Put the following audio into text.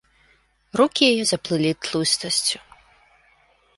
Рукі яе заплылі тлустасцю.